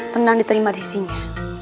tenang diterima di sini